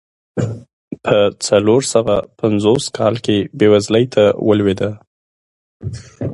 په څلور سوه پنځوس کال کې بېوزلۍ ته ولوېده.